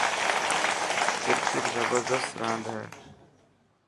ڪرڪيٽ زبردست راند هي.